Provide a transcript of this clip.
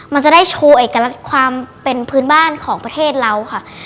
มันจะได้โชว์เอกลักษณ์ความเป็นพื้นบ้านของประเทศเราค่ะ